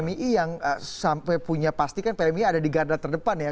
pmi yang sampai punya pasti kan pmi ada di garda terdepan ya